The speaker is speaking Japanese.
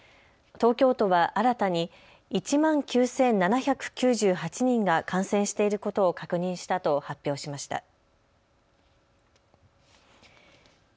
東京都は新たに１万９７９８人が感染していることを確認したと発表しました。